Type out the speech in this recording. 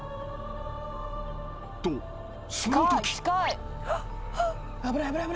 ［とそのとき］